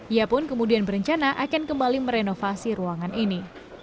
ia pun kemudian berencana akan kembali merenovasi ruangan ini